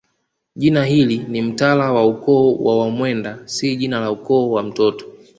Jina hili ni mtala wa ukoo wa Wamwenda si jina la ukoo wa mtoto